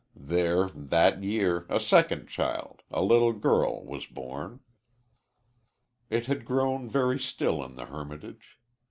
There, that year, a second child a little girl was born." It had grown very still in the hermitage.